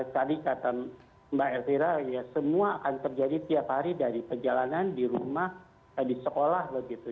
tadi kata mbak elvira ya semua akan terjadi tiap hari dari perjalanan di rumah di sekolah begitu